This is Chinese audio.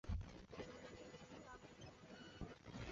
卵叶花佩菊为菊科花佩菊属下的一个种。